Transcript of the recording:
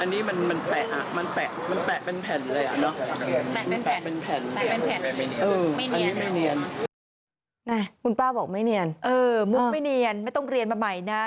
นี่คุณป้าบอกไม่เนียนมุกไม่เนียนไม่ต้องเรียนมาใหม่นะ